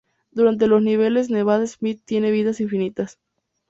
Durante los niveles Nevada Smith tiene vidas infinitas.